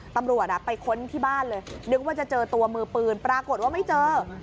ตำรวจไปค้นที่บ้านเลยนึกว่าจะเจอตัวมือปืนปรากฏว่าไม่เจอ